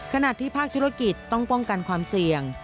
ขณะที่ภาคธุรกิจต้องป้องกันความเสี่ยง